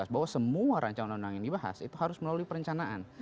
bahwa semua rancangan undang undang yang dibahas itu harus melalui perencanaan